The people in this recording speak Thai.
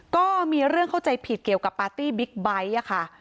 ก็มีเรื่องเข้าใจผิดเกี่ยวกับปาร์ตี้บิ๊กไบท์ค่ะ